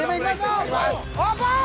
オープン！